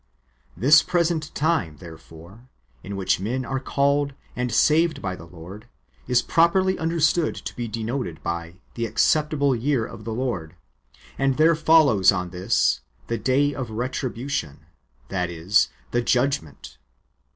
This present time, therefore, in wdiicli men are called and saved by the Lord, is properly understood to be denoted by " the acceptable year of the Lord ;" and there follows on this " the day of retribution," that is, the judgment.